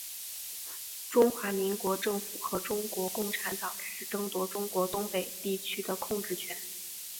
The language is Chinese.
中华民国政府和中国共产党开始争夺中国东北地区的控制权。